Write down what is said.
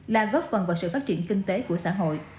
là góp phần vào sự phát triển kinh tế của xã hội